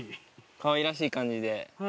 かわいらしい感じで。